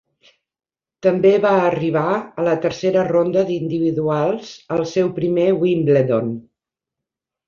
També va arribar a la tercera ronda d'individuals al seu primer Wimbledon.